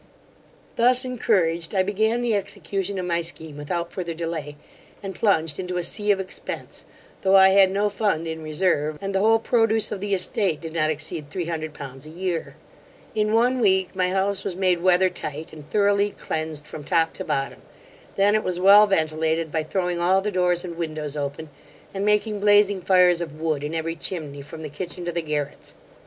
'Thus encouraged, I began the execution of my scheme without further delay, and plunged into a sea of expence, though I had no fund in reserve, and the whole produce of the estate did not exceed three hundred pounds a year In one week, my house was made weather tight, and thoroughly cleansed from top to bottom; then it was well ventilated by throwing all the doors and windows open, and making blazing fires of wood in every chimney from the kitchen to the garrets.